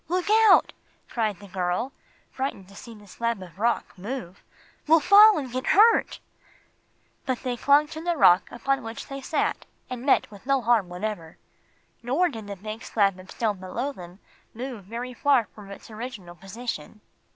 "Look out!" cried the girl, frightened to see the slab of rock move. "We'll fall and get hurt!" But they clung to the rock upon which they sat and met with no harm whatever. Nor did the big slab of stone below them move very far from its original position.